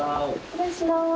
失礼します。